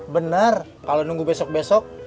benar kalau nunggu besok besok